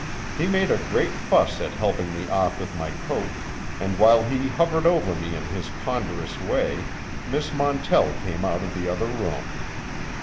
He made a great fuss at helping me off with my coat, and while he hovered over me in his ponderous way Miss Montell came out of the other room.